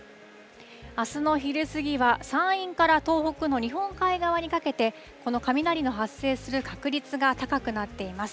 あすの昼過ぎは山陰から東北の日本海側にかけて、この雷の発生する確率が高くなっています。